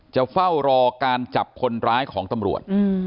เฝ้ารอการจับคนร้ายของตำรวจ